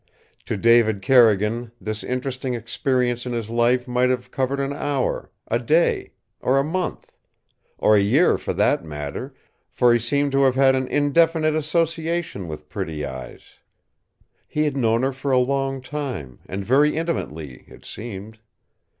To David Carrigan this interesting experience in his life might have covered an hour, a day, or a month. Or a year for that matter, for he seemed to have had an indefinite association with Pretty Eyes. He had known her for a long time and very intimately, it seemed.